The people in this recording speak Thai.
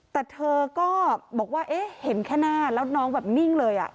แต่เธอก็บอกว่าเอ๊ะเห็นแค่หน้าแล้วน้องแบบนิ่งเลย